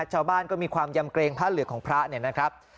ชาวบ้านก็มีความยำเกรงผ้าเหลืองของพระเนี่ยนะครับ